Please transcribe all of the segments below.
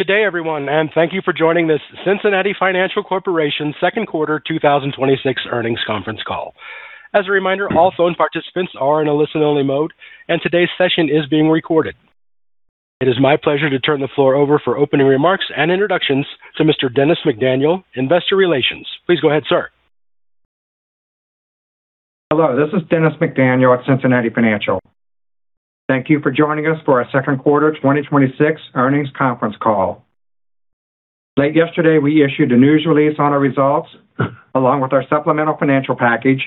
Good day everyone. Thank you for joining this Cincinnati Financial Corporation Q2 2026 earnings conference call. As a reminder, all phone participants are in a listen-only mode, and today's session is being recorded. It is my pleasure to turn the floor over for opening remarks and introductions to Mr. Dennis McDaniel, investor relations. Please go ahead, sir. Hello, this is Dennis McDaniel at Cincinnati Financial. Thank you for joining us for our Q2 2026 earnings conference call. Late yesterday, we issued a news release on our results along with our supplemental financial package,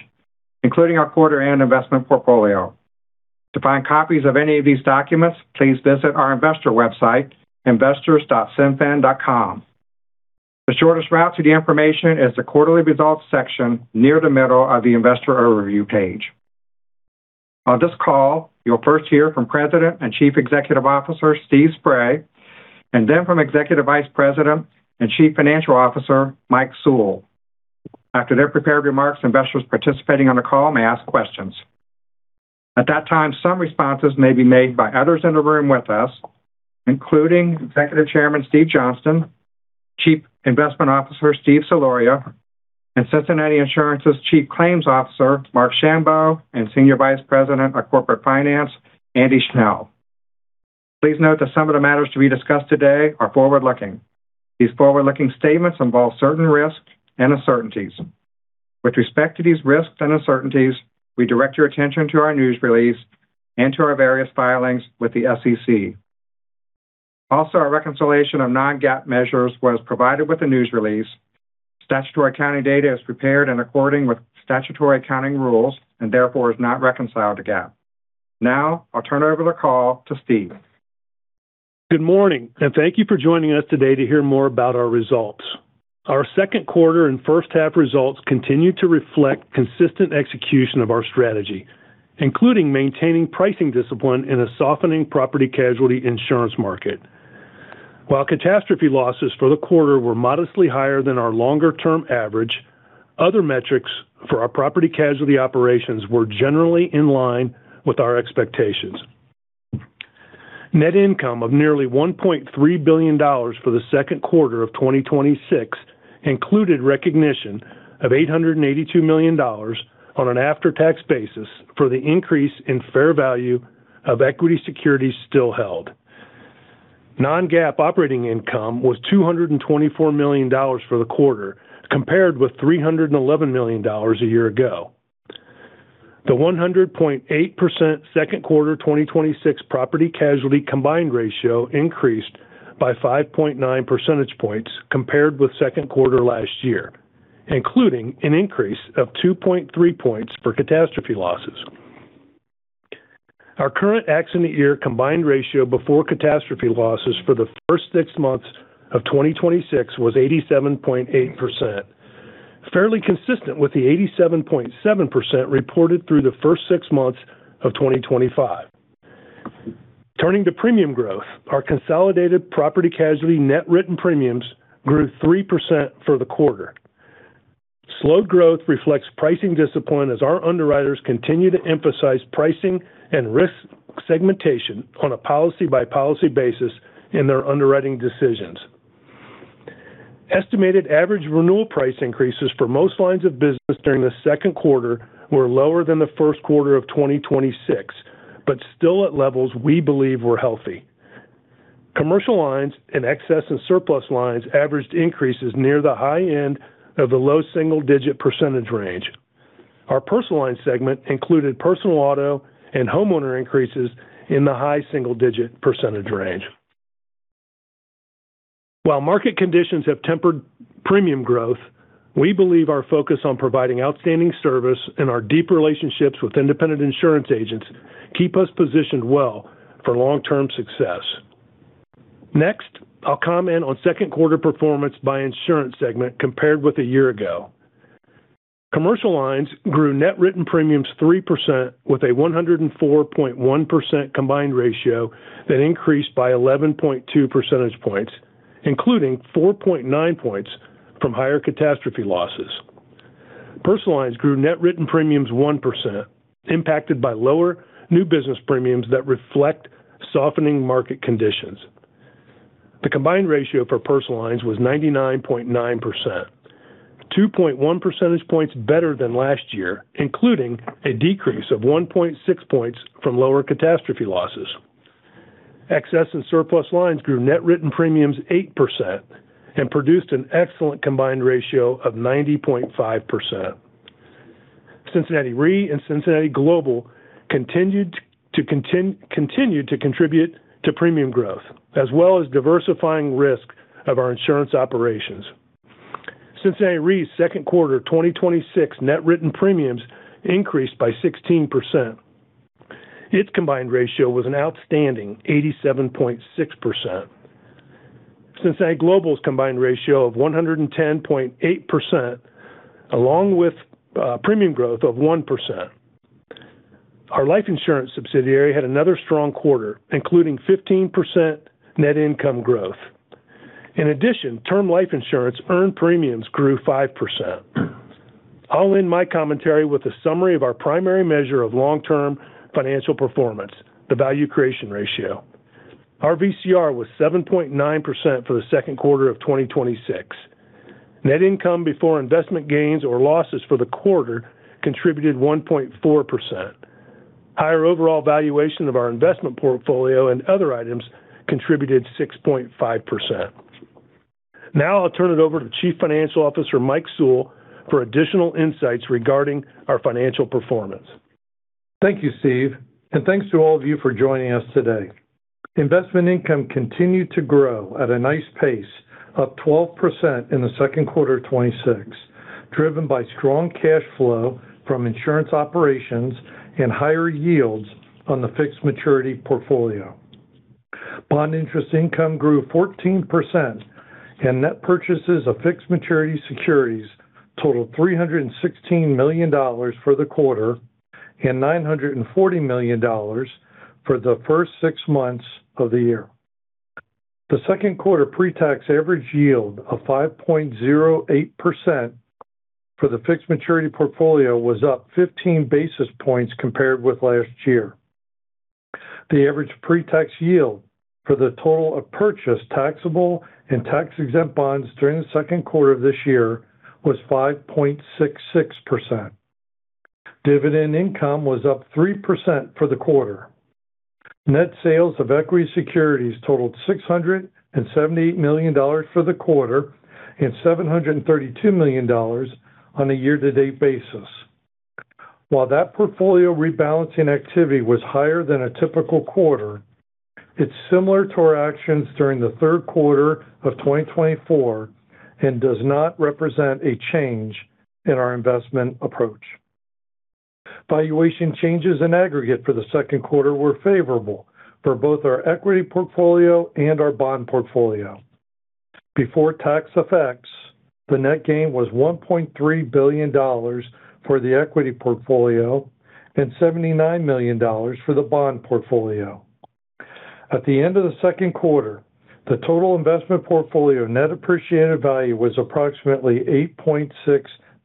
including our quarter and investment portfolio. To find copies of any of these documents, please visit our investor website, investors.cinfin.com. The shortest route to the information is the Quarterly Results section near the middle of the investor overview page. On this call, you'll first hear from President and Chief Executive Officer, Steve Spray, and then from Executive Vice President and Chief Financial Officer, Mike Sewell. After their prepared remarks, investors participating on the call may ask questions. At that time, some responses may be made by others in the room with us, including Executive Chairman Steve Johnston, Chief Investment Officer Steve Soloria, and Cincinnati Insurance's Chief Claims Officer Marc Schambow, and Senior Vice President of Corporate Finance, Andy Schnell. Please note that some of the matters to be discussed today are forward-looking. These forward-looking statements involve certain risks and uncertainties. With respect to these risks and uncertainties, we direct your attention to our news release and to our various filings with the SEC. Also, our reconciliation of non-GAAP measures was provided with the news release. Statutory accounting data is prepared in according with statutory accounting rules and therefore is not reconciled to GAAP. I'll turn over the call to Steve. Good morning. Thank you for joining us today to hear more about our results. Our Q2 and first half results continue to reflect consistent execution of our strategy, including maintaining pricing discipline in a softening property casualty insurance market. While catastrophe losses for the quarter were modestly higher than our longer-term average, other metrics for our property casualty operations were generally in line with our expectations. Net income of nearly $1.3 billion for the Q2 of 2026 included recognition of $882 million on an after-tax basis for the increase in fair value of equity securities still held. Non-GAAP operating income was $224 million for the quarter, compared with $311 million a year ago. The 100.8% Q2 2026 property casualty combined ratio increased by 5.9 percentage points compared with Q2 last year, including an increase of 2.3 points for catastrophe losses. Our current accident year combined ratio before catastrophe losses for the first six months of 2026 was 87.8%, fairly consistent with the 87.7% reported through the first six months of 2025. Turning to premium growth, our consolidated property-casualty net written premiums grew 3% for the quarter. Slowed growth reflects pricing discipline as our underwriters continue to emphasize pricing and risk segmentation on a policy-by-policy basis in their underwriting decisions. Estimated average renewal price increases for most lines of business during the Q2 were lower than the Q1 of 2026, but still at levels we believe were healthy. Commercial lines and excess and surplus lines averaged increases near the high end of the low single-digit percentage range. Our personal line segment included personal auto and homeowner increases in the high single-digit percentage range. While market conditions have tempered premium growth, we believe our focus on providing outstanding service and our deep relationships with independent insurance agents keep us positioned well for long-term success. Next, I'll comment on Q2 performance by insurance segment compared with a year ago. Commercial lines grew net written premiums 3% with a 104.1% combined ratio that increased by 11.2 percentage points, including 4.9 points from higher catastrophe losses. Personal lines grew net written premiums 1%, impacted by lower new business premiums that reflect softening market conditions. The combined ratio for personal lines was 99.9%, 2.1 percentage points better than last year, including a decrease of 1.6 points from lower catastrophe losses. Excess and surplus lines grew net written premiums 8% and produced an excellent combined ratio of 90.5%. Cincinnati Re and Cincinnati Global continued to contribute to premium growth, as well as diversifying risk of our insurance operations. Cincinnati Re's Q2 2026 net written premiums increased by 16%. Its combined ratio was an outstanding 87.6%. Cincinnati Global's combined ratio of 110.8%, along with premium growth of 1%. Our life insurance subsidiary had another strong quarter, including 15% net income growth. In addition, term life insurance earned premiums grew 5%. I'll end my commentary with a summary of our primary measure of long-term financial performance, the value creation ratio. Our VCR was 7.9% for the Q2 of 2026. Net income before investment gains or losses for the quarter contributed 1.4%. Higher overall valuation of our investment portfolio and other items contributed 6.5%. I'll turn it over to Chief Financial Officer Mike Sewell for additional insights regarding our financial performance. Thank you, Steve, and thanks to all of you for joining us today. Investment income continued to grow at a nice pace, up 12% in the Q2 of 2026, driven by strong cash flow from insurance operations and higher yields on the fixed maturity portfolio. Bond interest income grew 14%, and net purchases of fixed maturity securities totaled $316 million for the quarter and $940 million for the first six months of the year. The Q2 pre-tax average yield of 5.08% for the fixed maturity portfolio was up 15 basis points compared with last year. The average pre-tax yield for the total of purchased taxable and tax-exempt bonds during the Q2 of this year was 5.66%. Dividend income was up 3% for the quarter. Net sales of equity securities totaled $678 million for the quarter and $732 million on a year-to-date basis. While that portfolio rebalancing activity was higher than a typical quarter, it's similar to our actions during the Q3 of 2024 and does not represent a change in our investment approach. Valuation changes in aggregate for the Q2 were favorable for both our equity portfolio and our bond portfolio. Before tax effects, the net gain was $1.3 billion for the equity portfolio and $79 million for the bond portfolio. At the end of the Q2, the total investment portfolio net appreciated value was approximately $8.6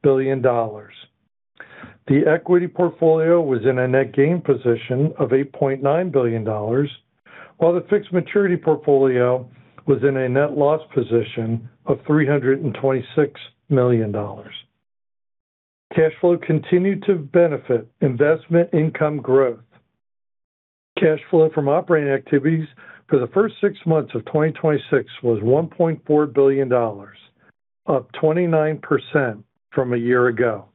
billion. The equity portfolio was in a net gain position of $8.9 billion, while the fixed maturity portfolio was in a net loss position of $326 million. Cash flow continued to benefit investment income growth. Cash flow from operating activities for the first six months of 2026 was $1.4 billion, up 29% from a year ago.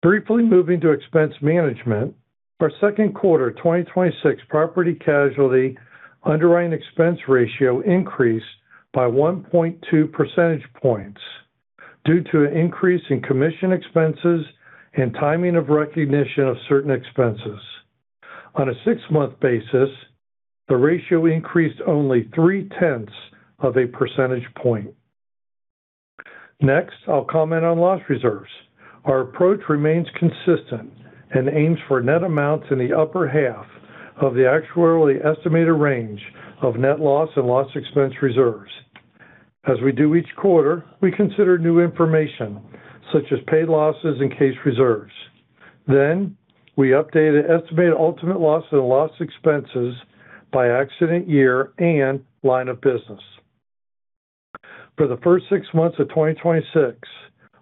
Briefly moving to expense management, our Q2 2026 property casualty underwriting expense ratio increased by 1.2 percentage points due to an increase in commission expenses and timing of recognition of certain expenses. On a six-month basis, the ratio increased only three-tenths of a percentage point. I'll comment on loss reserves. Our approach remains consistent and aims for net amounts in the upper half of the actuarially estimated range of net loss and loss expense reserves. As we do each quarter, we consider new information, such as paid losses and case reserves. We update an estimated ultimate loss and loss expenses by accident year and line of business. For the first six months of 2026,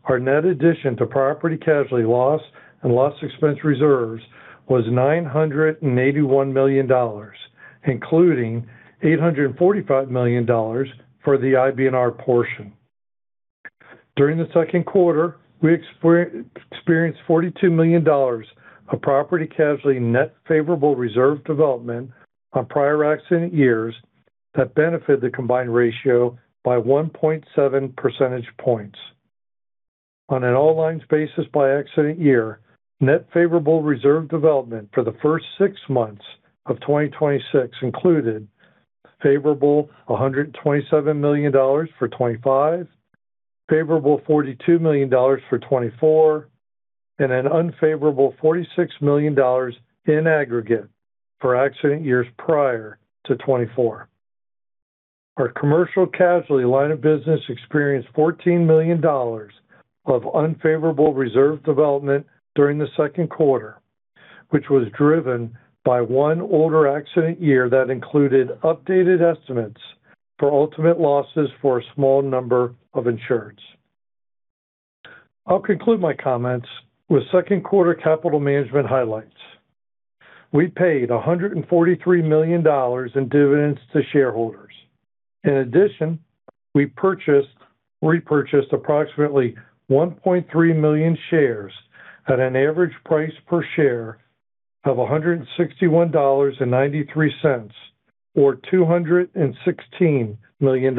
our net addition to property casualty loss and loss expense reserves was $981 million, including $845 million for the IBNR portion. During the Q2, we experienced $42 million of property casualty net favorable reserve development on prior accident years that benefited the combined ratio by 1.7 percentage points. On an all lines basis by accident year, net favorable reserve development for the first six months of 2026 included favorable $127 million for 2025, favorable $42 million for 2024, and an unfavorable $46 million in aggregate for accident years prior to 2024. Our commercial casualty line of business experienced $14 million of unfavorable reserve development during the Q2, which was driven by one older accident year that included updated estimates for ultimate losses for a small number of insureds. I'll conclude my comments with Q2 capital management highlights. We paid $143 million in dividends to shareholders. In addition, we repurchased approximately 1.3 million shares at an average price per share of $161.93, or $216 million.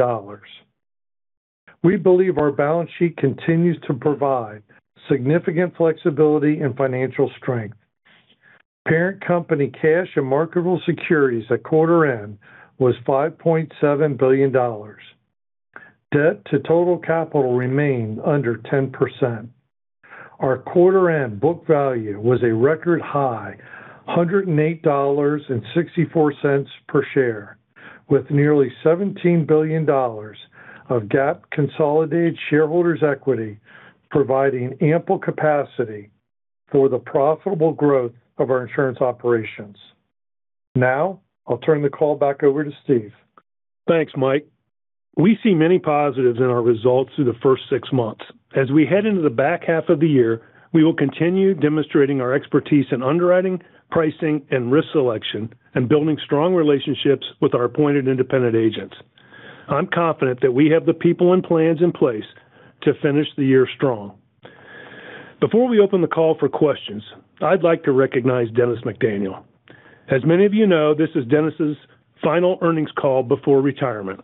We believe our balance sheet continues to provide significant flexibility and financial strength. Parent company cash and marketable securities at quarter end was $5.7 billion. Debt to total capital remained under 10%. Our quarter-end book value was a record high $108.64 per share, with nearly $17 billion of GAAP consolidated shareholders' equity, providing ample capacity for the profitable growth of our insurance operations. I'll turn the call back over to Steve. Thanks, Mike. We see many positives in our results through the first six months. As we head into the back half of the year, we will continue demonstrating our expertise in underwriting, pricing, and risk selection, and building strong relationships with our appointed independent agents. I'm confident that we have the people and plans in place to finish the year strong. Before we open the call for questions, I'd like to recognize Dennis McDaniel. As many of you know, this is Dennis's final earnings call before retirement.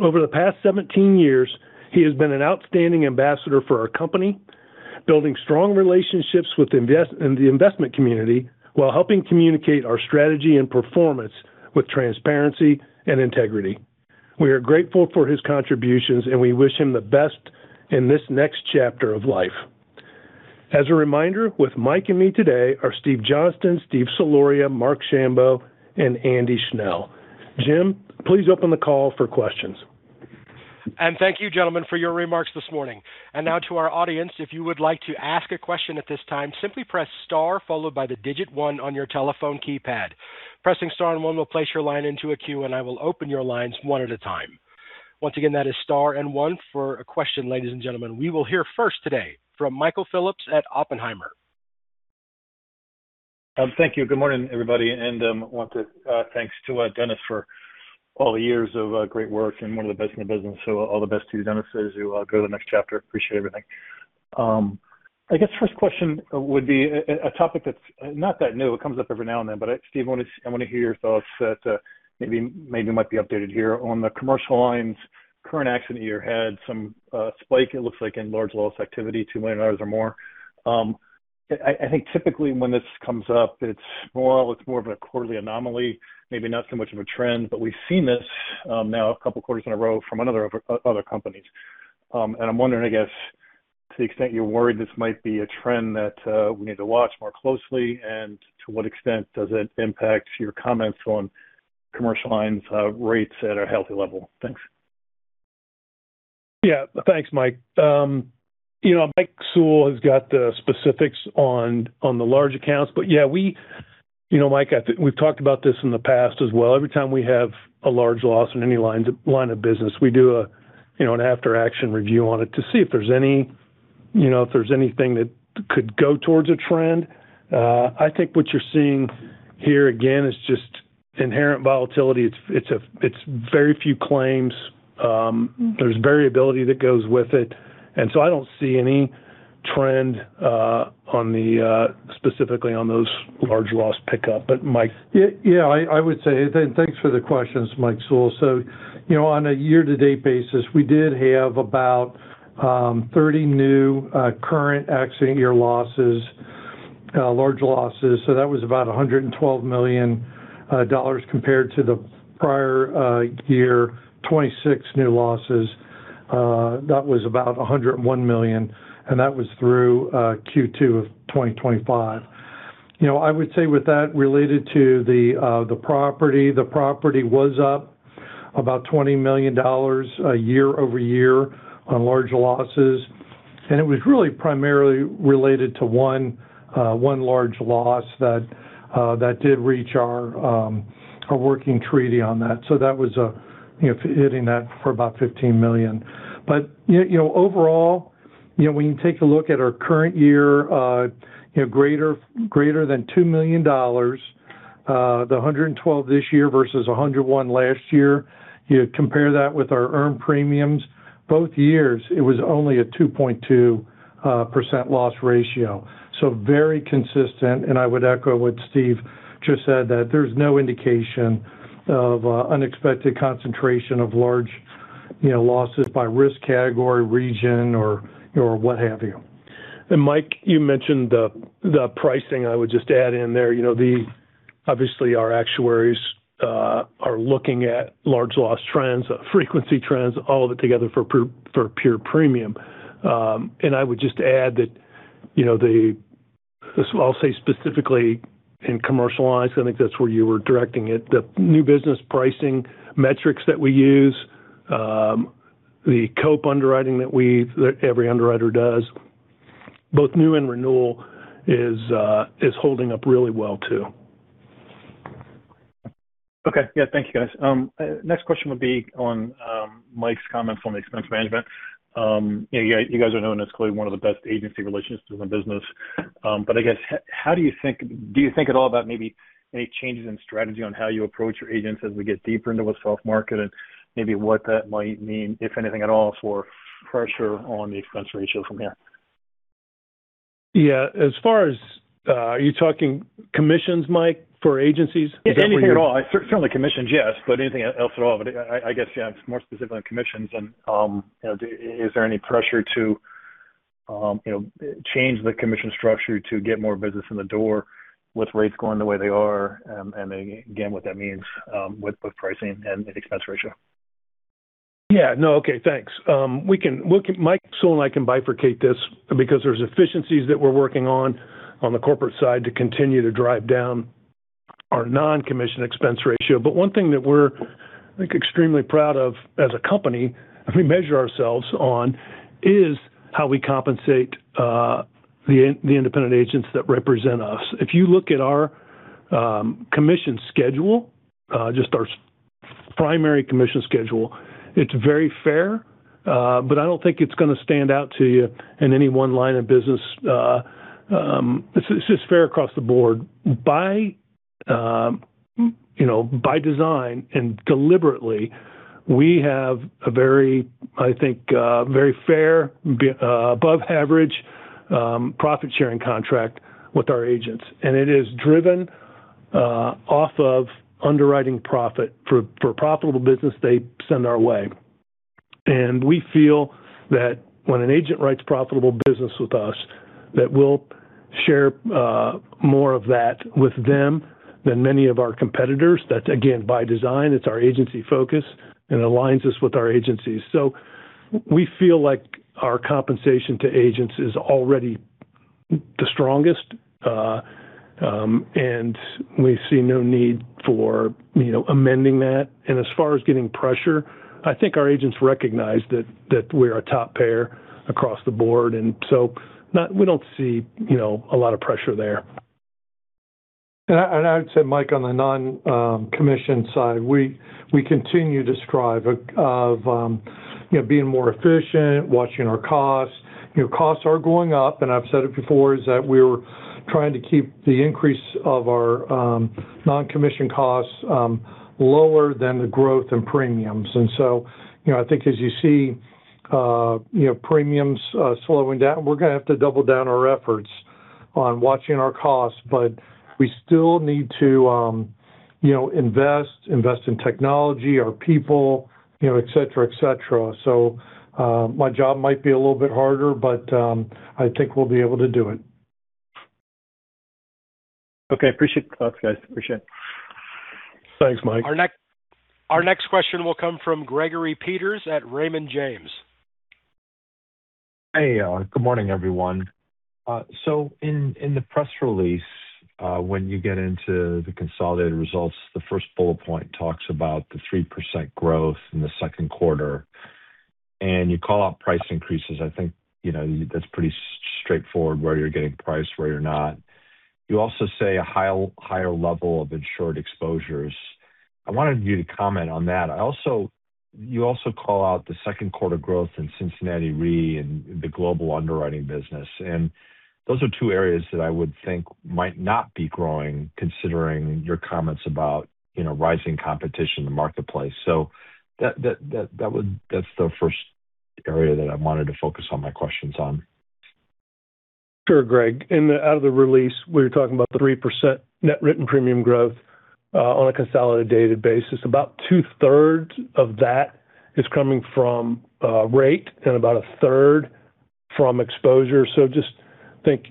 Over the past 17 years, he has been an outstanding ambassador for our company, building strong relationships in the investment community while helping communicate our strategy and performance with transparency and integrity. We are grateful for his contributions, and we wish him the best in this next chapter of life. As a reminder, with Mike and me today are Steve Johnston, Steve Soloria, Marc Schambow, and Andy Schnell. Jim, please open the call for questions. Thank you, gentlemen, for your remarks this morning. Now to our audience, if you would like to ask a question at this time, simply press star followed by the digit one on your telephone keypad. Pressing star and one will place your line into a queue, and I will open your lines one at a time. Once again, that is star and one for a question, ladies and gentlemen. We will hear first today from Michael Phillips at Oppenheimer. Thank you. Good morning, everybody, want to thanks to Dennis for all the years of great work and one of the best in the business, all the best to you, Dennis, as you go to the next chapter. Appreciate everything. I guess first question would be a topic that's not that new. It comes up every now and then, but Steve, I want to hear your thoughts that maybe might be updated here on the commercial lines current accident year had some spike, it looks like in large loss activity, $2 million or more. I think typically when this comes up, it's more of a quarterly anomaly, maybe not so much of a trend, but we've seen this now a couple quarters in a row from other companies. I'm wondering, I guess, to the extent you're worried this might be a trend that we need to watch more closely, and to what extent does it impact your comments on commercial lines rates at a healthy level? Thanks. Yeah. Thanks, Mike. Mike Sewell has got the specifics on the large accounts, yeah, Mike, I think we've talked about this in the past as well. Every time we have a large loss in any line of business, we do an after-action review on it to see if there's anything that could go towards a trend. I think what you're seeing here again is just inherent volatility. It's very few claims. There's variability that goes with it. So I don't see any trend specifically on those large loss pickup. Mike Yeah. I would say, thanks for the questions, Mike Sewell. On a year-to-date basis, we did have about 30 new current accident year losses, large losses, so that was about $112 million compared to the prior year 26 new losses. That was about $101 million, and that was through Q2 of 2025. I would say with that related to the property, the property was up about $20 million year-over-year on large losses, and it was really primarily related to one large loss that did reach our working treaty on that. That was hitting that for about $15 million. Overall, when you take a look at our current year greater than $2 million, the $112 this year versus $101 last year, you compare that with our earned premiums, both years, it was only a 2.2% loss ratio. Very consistent, and I would echo what Steve just said, that there's no indication of unexpected concentration of large losses by risk category, region or what have you. Mike, you mentioned the pricing. I would just add in there, obviously our actuaries are looking at large loss trends, frequency trends, all of it together for pure premium. I would just add that, I'll say specifically in commercial lines, I think that's where you were directing it, the new business pricing metrics that we use, the COPE underwriting that every underwriter does, both new and renewal is holding up really well, too. Okay. Yeah. Thank you, guys. Next question would be on Mike's comments on the expense management. You guys are known as clearly one of the best agency relationships in the business. I guess, do you think at all about maybe any changes in strategy on how you approach your agents as we get deeper into a soft market and maybe what that might mean, if anything at all, for pressure on the expense ratio from here? Yeah, are you talking commissions, Mike, for agencies? Anything at all. Certainly commissions, yes, anything else at all. I guess, yeah, more specifically on commissions and is there any pressure to change the commission structure to get more business in the door with rates going the way they are, and again, what that means with pricing and expense ratio? Yeah. No. Okay, thanks. Mike Sewell, I can bifurcate this because there's efficiencies that we're working on the corporate side to continue to drive down our non-commission expense ratio. One thing that we're extremely proud of as a company, and we measure ourselves on, is how we compensate the independent agents that represent us. If you look at our commission schedule, just our primary commission schedule, it's very fair. I don't think it's going to stand out to you in any one line of business. It's just fair across the board. By design and deliberately, we have a, I think, very fair, above average profit-sharing contract with our agents, and it is driven off of underwriting profit for profitable business they send our way. We feel that when an agent writes profitable business with us, that we'll share more of that with them than many of our competitors. That again, by design, it's our agency focus and aligns us with our agencies. We feel like our compensation to agents is already the strongest, and we see no need for amending that. As far as getting pressure, I think our agents recognize that we're a top payer across the board, and so we don't see a lot of pressure there. I would say, Mike, on the non-commission side, we continue to strive of being more efficient, watching our costs. Costs are going up, and I've said it before, is that we're trying to keep the increase of our non-commission costs lower than the growth in premiums. I think as you see premiums slowing down, we're going to have to double down our efforts on watching our costs. We still need to invest in technology, our people, et cetera. My job might be a little bit harder, but I think we'll be able to do it. Okay. Appreciate the thoughts, guys. Appreciate it. Thanks, Mike. Our next question will come from Gregory Peters at Raymond James. Hey. Good morning, everyone. In the press release, when you get into the consolidated results, the first bullet point talks about the 3% growth in the Q2, you call out price increases. I think that's pretty straightforward, where you're getting price, where you're not. You also say a higher level of insured exposures. I wanted you to comment on that. You also call out the Q2 growth in Cincinnati Re and the global underwriting business. Those are two areas that I would think might not be growing, considering your comments about rising competition in the marketplace. That's the first area that I wanted to focus my questions on. Sure, Greg. Out of the release, we were talking about 3% net written premium growth on a consolidated basis. About two-thirds of that is coming from rate and about a third from exposure. Just think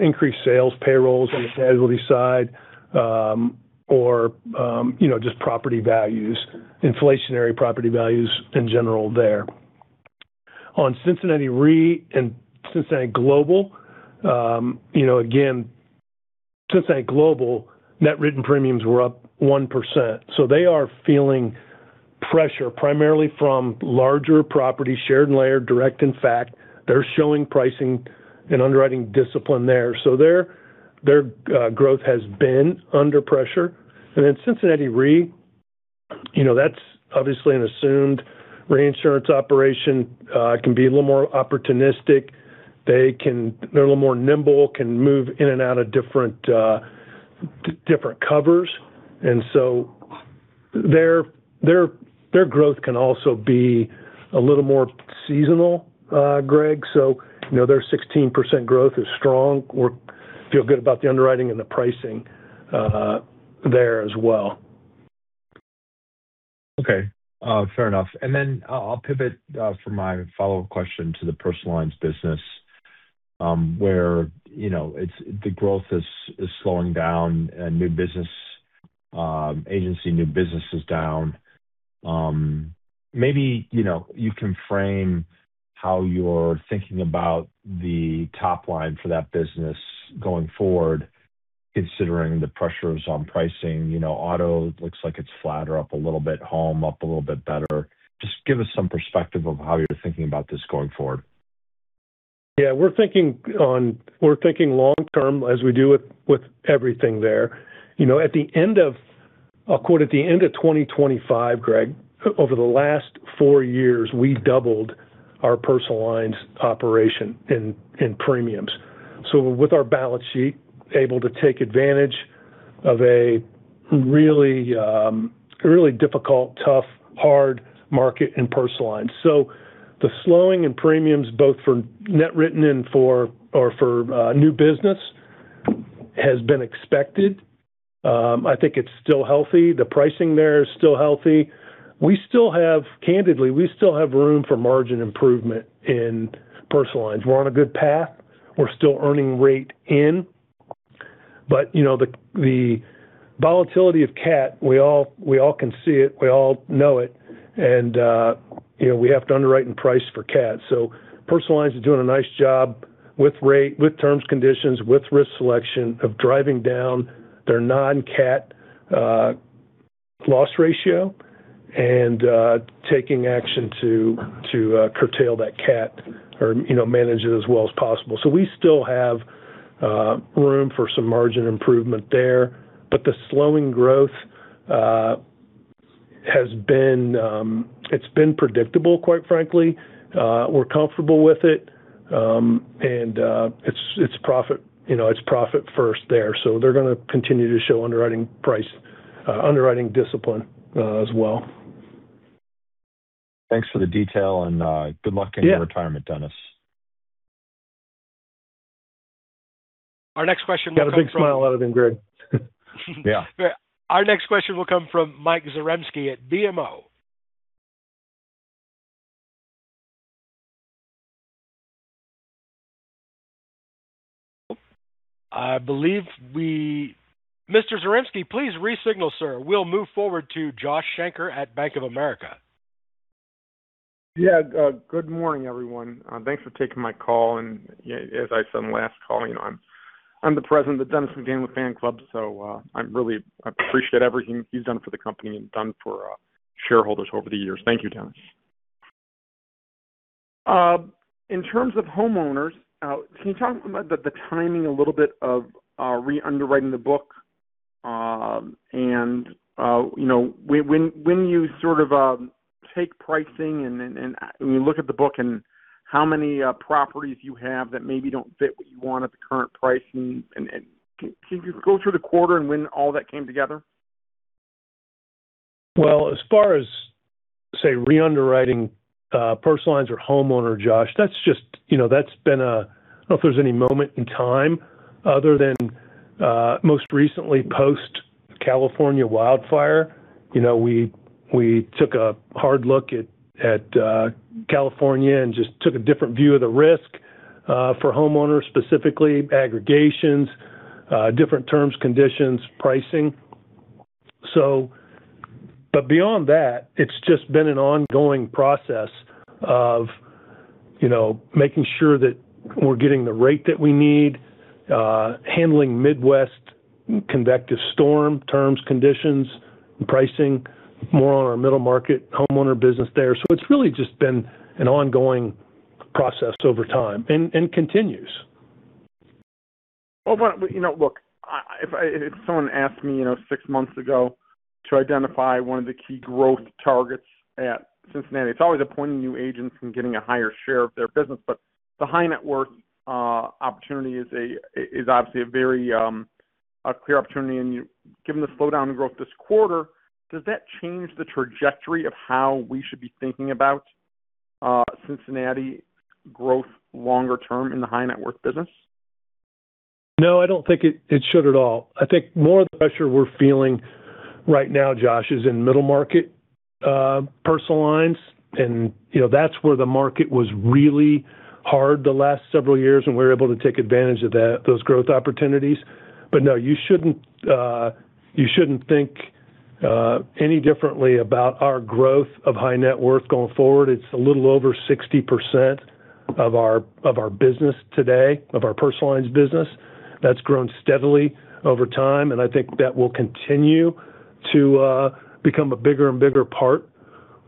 increased sales, payrolls on the casualty side, or just property values, inflationary property values in general there. On Cincinnati Re and Cincinnati Global, again, Cincinnati Global net written premiums were up 1%. They are feeling pressure primarily from larger properties, shared and layered direct and facultative. They're showing pricing and underwriting discipline there. Their growth has been under pressure. Cincinnati Re, that's obviously an assumed reinsurance operation. It can be a little more opportunistic. They're a little more nimble, can move in and out of different covers. Their growth can also be a little more seasonal, Greg. Their 16% growth is strong. We feel good about the underwriting and the pricing there as well. Okay. Fair enough. I'll pivot for my follow-up question to the personal lines business, where the growth is slowing down and agency new business is down. Maybe you can frame how you're thinking about the top line for that business going forward, considering the pressures on pricing. Auto looks like it's flatter up a little bit, home up a little bit better. Just give us some perspective of how you're thinking about this going forward. Yeah, we're thinking long term as we do with everything there. At the end of 2025, Greg, over the last four years, we doubled our personal lines operation in premiums with our balance sheet able to take advantage of a really difficult, tough, hard market in personal lines. The slowing in premiums both for net written in or for new business has been expected. I think it's still healthy. The pricing there is still healthy. Candidly, we still have room for margin improvement in personal lines. We're on a good path. We're still earning rate in. The volatility of CAT, we all can see it, we all know it. We have to underwrite and price for CAT. Personal lines is doing a nice job with rate, with terms, conditions, with risk selection of driving down their non-CAT loss ratio and taking action to curtail that CAT or manage it as well as possible. We still have room for some margin improvement there. The slowing growth has been predictable, quite frankly. We're comfortable with it. It's profit first there. They're going to continue to show underwriting discipline as well. Thanks for the detail and good luck in your retirement, Dennis. Our next question will come from Got a big smile out of him, Greg. Yeah. Our next question will come from Michael Zaremski at BMO. I believe we Mr. Zaremski, please re-signal, sir. We'll move forward to Josh Shanker at Bank of America. Yeah. Good morning, everyone. Thanks for taking my call. As I said on the last call, I'm the president of the Dennis McDaniel Fan Club, I appreciate everything you've done for the company and done for shareholders over the years. Thank you, Dennis. In terms of homeowners, can you talk about the timing a little bit of re-underwriting the book? When you sort of take pricing and when you look at the book and how many properties you have that maybe don't fit what you want at the current pricing, can you go through the quarter and when all that came together? Well, as far as, say, re-underwriting personal lines or homeowner, Josh, I don't know if there's any moment in time other than most recently post-California wildfire. We took a hard look at California and just took a different view of the risk for homeowners, specifically aggregations, different terms, conditions, pricing. Beyond that, it's just been an ongoing process of making sure that we're getting the rate that we need, handling Midwest convective storm terms, conditions, pricing more on our middle market homeowner business there. It's really just been an ongoing process over time, and continues. Look, if someone asked me six months ago to identify one of the key growth targets at Cincinnati, it's always appointing new agents and getting a higher share of their business. The high net worth opportunity is obviously a very clear opportunity. Given the slowdown in growth this quarter, does that change the trajectory of how we should be thinking about Cincinnati growth longer term in the high net worth business? No, I don't think it should at all. I think more of the pressure we're feeling right now, Josh, is in middle market personal lines. That's where the market was really hard the last several years, and we were able to take advantage of those growth opportunities. No, you shouldn't think any differently about our growth of high net worth going forward. It's a little over 60% of our personal lines business today. That's grown steadily over time, and I think that will continue to become a bigger and bigger part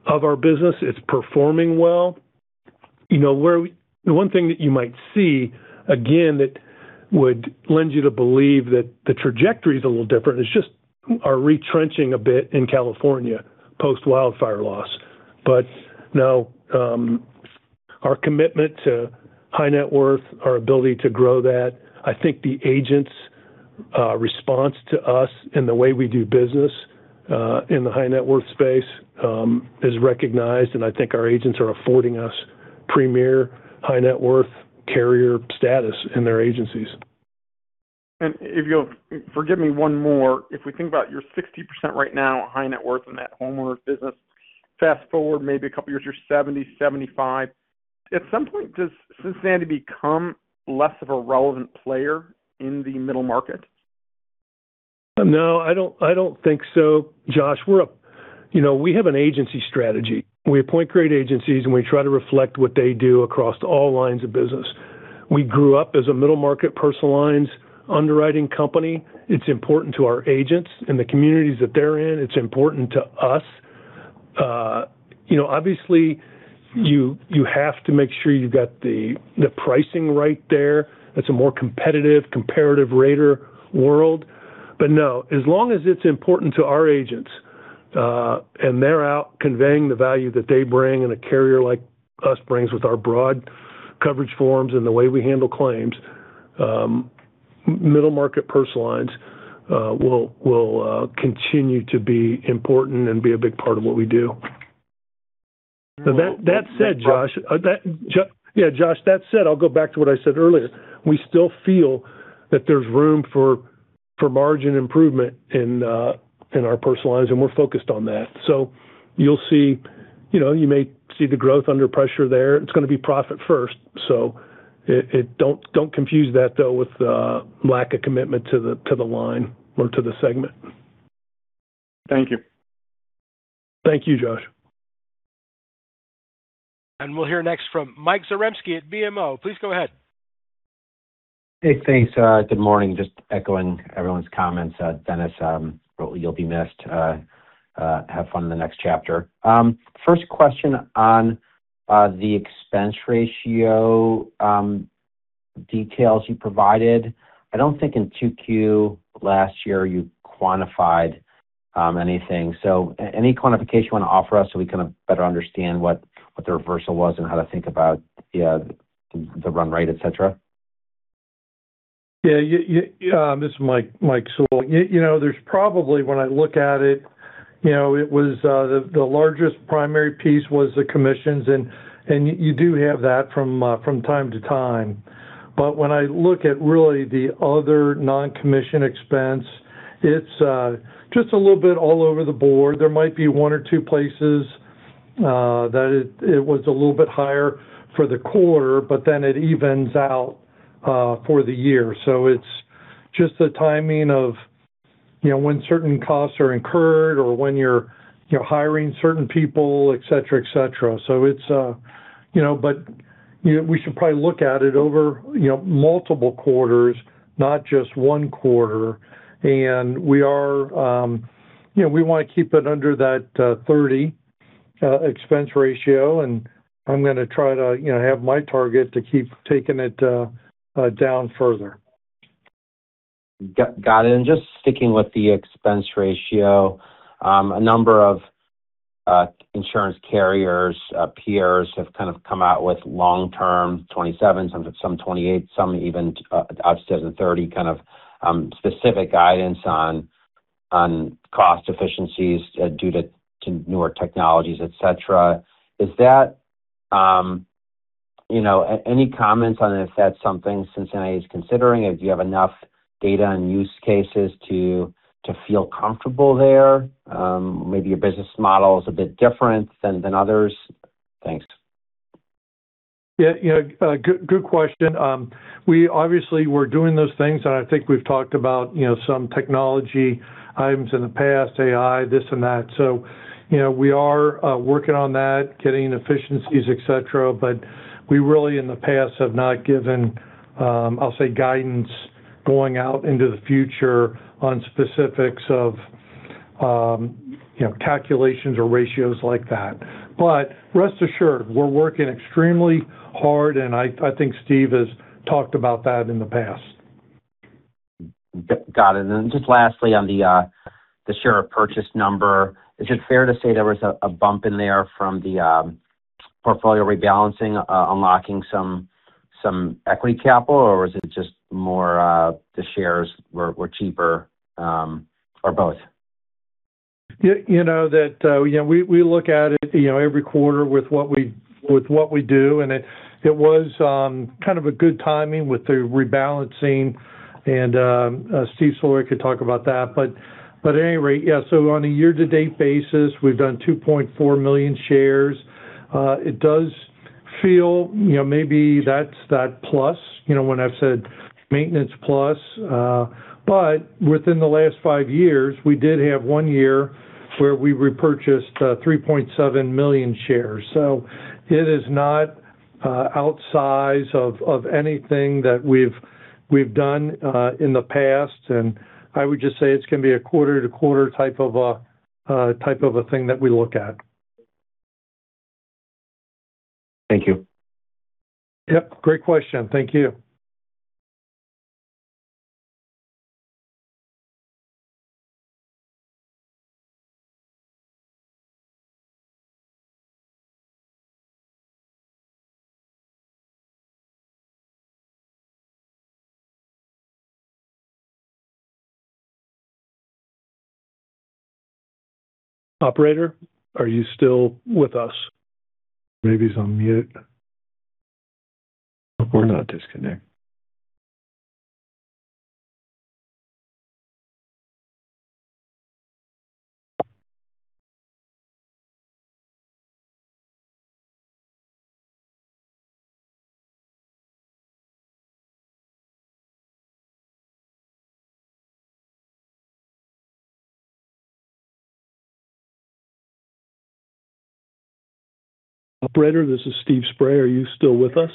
of our business. It's performing well. The one thing that you might see, again, that would lend you to believe that the trajectory is a little different is just our retrenching a bit in California post-wildfire loss. No, our commitment to high net worth, our ability to grow that, I think the agents' response to us and the way we do business in the high net worth space is recognized, and I think our agents are affording us premier high net worth carrier status in their agencies. If you'll forgive me one more, if we think about your 60% right now high net worth in that homeowner business, fast-forward maybe a couple of years, you're 70%, 75%. At some point, does Cincinnati become less of a relevant player in the middle market? No, I don't think so, Josh. We have an agency strategy. We appoint great agencies, and we try to reflect what they do across all lines of business. We grew up as a middle market personal lines underwriting company. It's important to our agents in the communities that they're in. It's important to us. Obviously, you have to make sure you've got the pricing right there. That's a more competitive, comparative rater world. No, as long as it's important to our agents, and they're out conveying the value that they bring and a carrier like us brings with our broad coverage forms and the way we handle claims, middle market personal lines will continue to be important and be a big part of what we do. Yeah, Josh, that said, I'll go back to what I said earlier. We still feel that there's room for margin improvement in our personal lines, and we're focused on that. You may see the growth under pressure there. It's going to be profit first. Don't confuse that, though, with lack of commitment to the line or to the segment. Thank you. Thank you, Josh. We'll hear next from Michael Zaremski at BMO. Please go ahead. Hey, thanks. Good morning. Just echoing everyone's comments. Dennis, you'll be missed. Have fun in the next chapter. First question on the expense ratio details you provided. I don't think in 2Q last year you quantified anything. Any quantification you want to offer us so we can better understand what the reversal was and how to think about the run rate, et cetera? This is Mike Sewell. There's probably, when I look at it, the largest primary piece was the commissions, and you do have that from time to time. When I look at really the other non-commission expense, it's just a little bit all over the board. There might be one or two places that it was a little bit higher for the quarter, but then it evens out for the year. It's just the timing of when certain costs are incurred or when you're hiring certain people, et cetera. We should probably look at it over multiple quarters, not just one quarter. We want to keep it under that 30% expense ratio, and I'm going to try to have my target to keep taking it down further. Got it. Just sticking with the expense ratio, a number of insurance carriers, peers have kind of come out with long-term, 27%, some 28%, some even upstairs of 30% kind of specific guidance on cost efficiencies due to newer technologies, et cetera. Any comments on if that's something Cincinnati is considering? Do you have enough data and use cases to feel comfortable there? Maybe your business model is a bit different than others. Thanks. Good question. Obviously, we're doing those things, and I think we've talked about some technology items in the past, AI, this and that. We are working on that, getting efficiencies, et cetera. We really in the past have not given, I'll say, guidance going out into the future on specifics of calculations or ratios like that. Rest assured, we're working extremely hard, and I think Steve has talked about that in the past. Got it. Just lastly on the share of purchase number, is it fair to say there was a bump in there from the portfolio rebalancing, unlocking some equity capital, or is it just more the shares were cheaper, or both? We look at it every quarter with what we do. It was kind of a good timing with the rebalancing. Steve Soloria could talk about that. At any rate, yeah, on a year-to-date basis, we've done 2.4 million shares. It does feel maybe that's that plus, when I've said maintenance plus. Within the last five years, we did have one year where we repurchased 3.7 million shares. It is not outsize of anything that we've done in the past, and I would just say it's going to be a quarter-to-quarter type of a thing that we look at. Thank you. Yep. Great question. Thank you. Operator, are you still with us? Maybe he's on mute. Or not disconnect. Operator, this is Steve Spray. Are you still with us?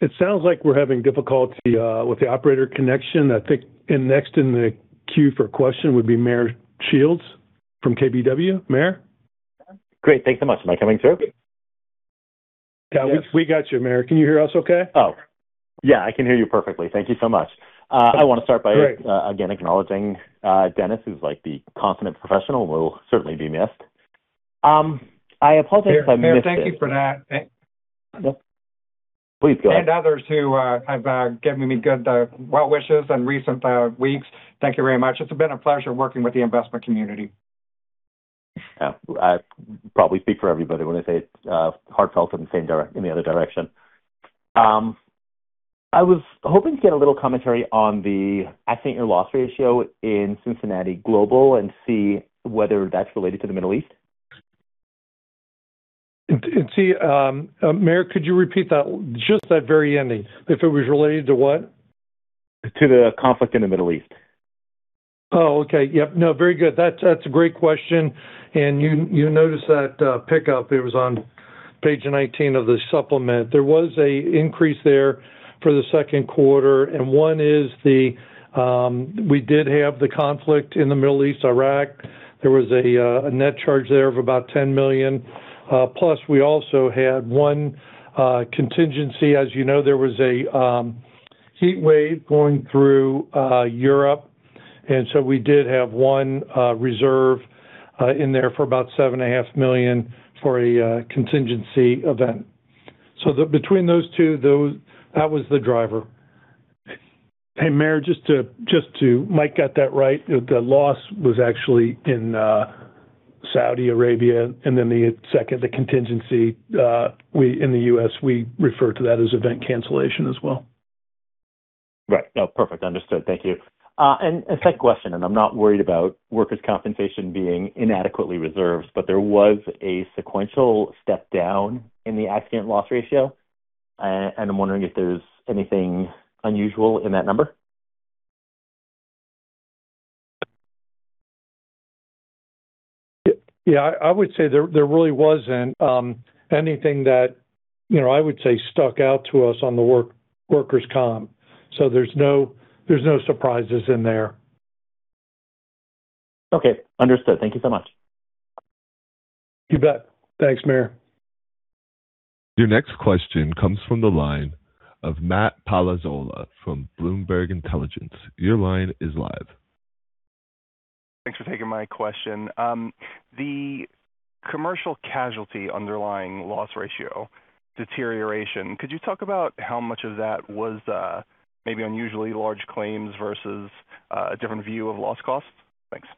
It sounds like we're having difficulty with the operator connection. I think next in the queue for question would be Meyer Shields from KBW. Meyer? Great. Thanks so much. Am I coming through? Yeah, we got you, Meyer. Can you hear us okay? Oh. Yeah, I can hear you perfectly. Thank you so much. Great again acknowledging Dennis, who's the consummate professional, will certainly be missed. Thank you for that. Please go ahead. Others who have given me good well wishes in recent weeks. Thank you very much. It's been a pleasure working with the investment community. Yeah. I probably speak for everybody when I say heartfelt in the other direction. I was hoping to get a little commentary on the accident year loss ratio in Cincinnati Global and see whether that's related to the Middle East. See, Meyer, could you repeat that? Just that very ending. If it was related to what? To the conflict in the Middle East. Oh, okay. Yep, no, very good. That's a great question. You noticed that pickup. It was on page 19 of the supplement. There was an increase there for the Q2. One is we did have the conflict in the Middle East, Iraq. There was a net charge there of about $10 million. We also had one contingency. As you know, there was a heatwave going through Europe. We did have one reserve in there for about $7.5 million for a contingency event. Between those two, that was the driver. Hey, Meyer, just to Mike got that right. The loss was actually in Saudi Arabia. The second, the contingency, in the U.S., we refer to that as event cancellation as well. Right. No, perfect. Understood. Thank you. A second question. I'm not worried about workers' compensation being inadequately reserved, but there was a sequential step down in the accident loss ratio. I'm wondering if there's anything unusual in that number. Yeah, I would say there really wasn't anything that I would say stuck out to us on the workers' comp. There's no surprises in there. Okay, understood. Thank you so much. You bet. Thanks, Meyer. Your next question comes from the line of Matt Palazzolo from Bloomberg Intelligence. Your line is live. Thanks for taking my question. The commercial casualty underlying loss ratio deterioration, could you talk about how much of that was maybe unusually large claims versus a different view of loss costs? Thanks.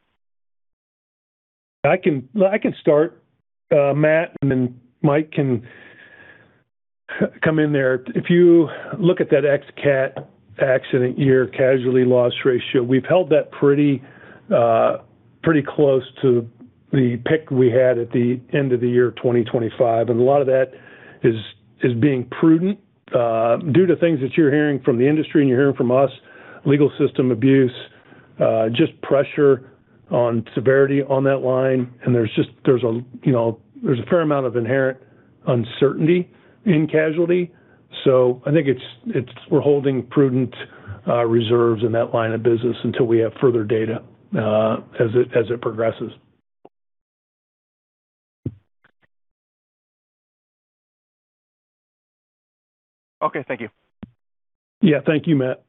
I can start, Matt, and then Mike can come in there. If you look at that ex-cat accident year casualty loss ratio, we've held that pretty close to the pick we had at the end of the year 2025. A lot of that is being prudent due to things that you're hearing from the industry and you're hearing from us, legal system abuse, just pressure on severity on that line. There's a fair amount of inherent uncertainty in casualty. I think we're holding prudent reserves in that line of business until we have further data as it progresses. Okay. Thank you. Yeah. Thank you, Matt.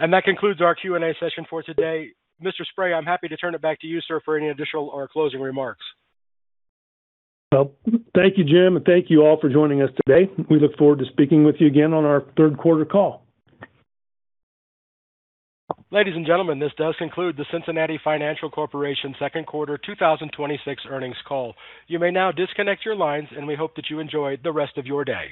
That concludes our Q&A session for today. Mr. Spray, I'm happy to turn it back to you, sir, for any additional or closing remarks. Well, thank you, Jim, and thank you all for joining us today. We look forward to speaking with you again on our Q3 call. Ladies and gentlemen, this does conclude the Cincinnati Financial Corporation Q2 2026 earnings call. You may now disconnect your lines, and we hope that you enjoy the rest of your day.